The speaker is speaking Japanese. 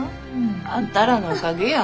あんたらのおかげや。